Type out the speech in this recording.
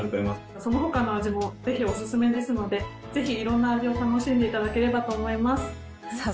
そのほかの味もぜひおすすめですので、ぜひいろんな味を楽しんでいただければと思います。